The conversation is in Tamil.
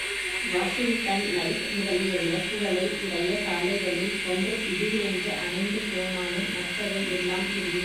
வாஷிங்டன் லைட் முதலிய விளக்குகளை உடைய சாலைகளில், ஒன்று திடீரென்று அணைந்து போனாலும் மற்றவை எல்லாம் எரியும்.